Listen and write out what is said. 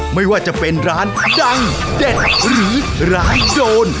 ไม่ว่าจะเป็นร้านดังเด็ดหรือร้านโจร